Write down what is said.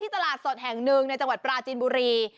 ตลาดสดแห่งหนึ่งในจังหวัดปราจินบุรี